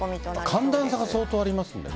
寒暖差が相当ありますんでね。